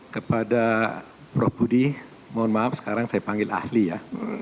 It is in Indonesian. kepada prof budi mohon maaf sekarang saya panggil ahli ya